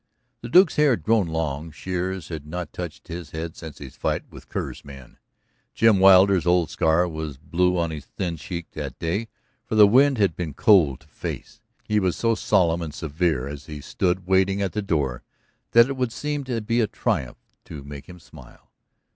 The Duke's hair had grown long; shears had not touched his head since his fight with Kerr's men. Jim Wilder's old scar was blue on his thin cheek that day, for the wind had been cold to face. He was so solemn and severe as he stood waiting at the door that it would seem to be a triumph to make him smile.